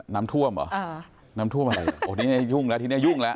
น้ำท่วมอ่ะน้ำท่วมอะไรอ่ะโอ้ทีนี้ยุ่งแล้วทีนี้ยุ่งแล้ว